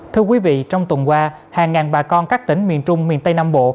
thưa quý vị trong tuần qua hàng ngàn bà con các tỉnh miền trung miền tây nam bộ